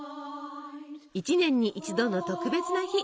一年に一度の特別な日！